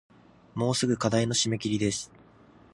もうすぐ課題の締切です